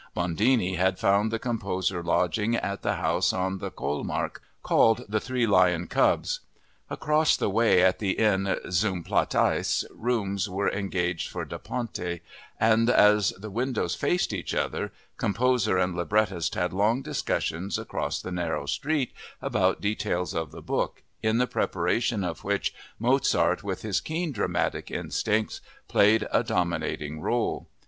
Bondini had found the composer lodgings at the house on the Kohlmarkt called the "Three Lion Cubs." Across the way, at the inn Zum Platteis, rooms were engaged for Da Ponte and, as the windows faced each other, composer and librettist had long discussions across the narrow street about details of the book, in the preparation of which Mozart, with his keen dramatic instincts, played a dominating role.